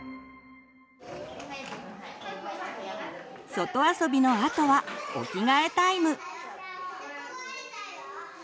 外遊びのあとはお着替えタイム。